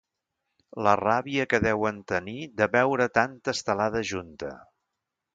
La ràbia que deuen tenir de veure tanta estelada junta.